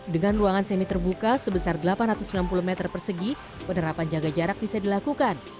dengan ruangan semi terbuka sebesar delapan ratus enam puluh meter persegi penerapan jaga jarak bisa dilakukan